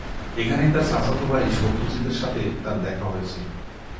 এখানেই তার চাচাতো ভাই সত্যজিতের সাথে তার দেখা হয়েছিল।